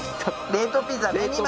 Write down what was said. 冷凍ピザね２枚。